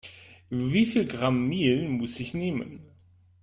Wie viel Gramm Mehl muss ich nehmen?